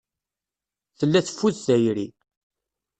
Tella teffud tayri.